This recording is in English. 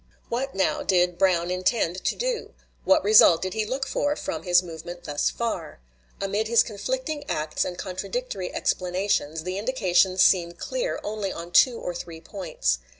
What, now, did Brown intend to do? What result did he look for from his movement thus far? Amid his conflicting acts and contradictory explanations, the indications seem clear only on two or three points.